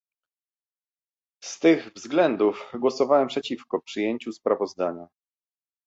Z tych względów głosowałem przeciwko przyjęciu sprawozdania